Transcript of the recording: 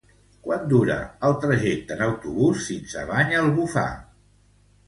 Quant dura el trajecte en autobús fins a Banyalbufar?